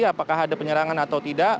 apakah ada penyerangan atau tidak